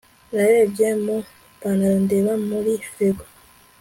narebye mu ipantaro ndeba muri frigo